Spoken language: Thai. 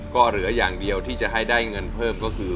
ก็เหลืออย่างเดียวที่จะให้ได้เงินเพิ่มก็คือ